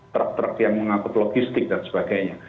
truk truk yang mengangkut logistik dan sebagainya